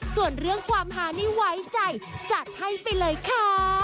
ส่วนเรื่องความฮานี่ไว้ใจจัดให้ไปเลยค่ะ